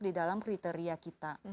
dalam kriteria kita